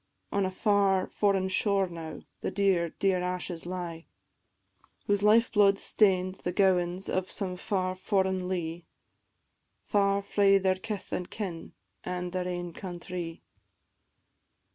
On a far foreign shore now, the dear, dear ashes lie, Whose life blood stain'd the gowans of some far foreign lea, Far frae their kith an' kin, an' their ain countrie.